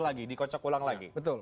lagi dikocok ulang lagi betul